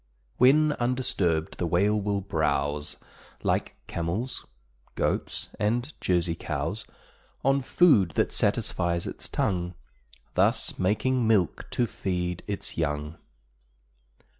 When undisturbed, the Whale will browse Like camels, goats, and Jersey cows, On food that satisfies its tongue, Thus making milk to feed its young.